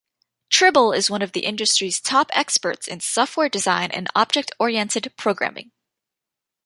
Tribble is one of the industry's top experts in software design and object-oriented programming.